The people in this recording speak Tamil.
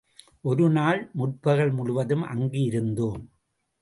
ஒரு நாள் முற்பகல் முழுவதும் அங்கு இருந்தோம்.